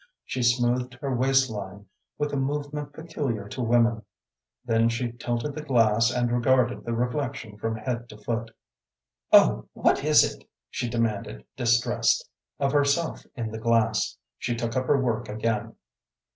She smoothed her waist line with a movement peculiar to women. Then she tilted the glass and regarded the reflection from head to foot. "Oh, what is it?" she demanded, distressed, of herself in the glass. She took up her work again.